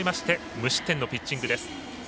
無失点のピッチングです。